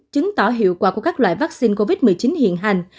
chứng tỏ hiệu quả của các loại vaccine covid một mươi chín hiện hành